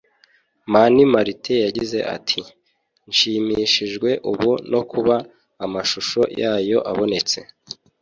Mani Martin yagize ati “ Nshimishijwe ubu no kuba amashusho yayo abonetse